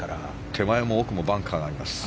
手前も奥もバンカーがあります。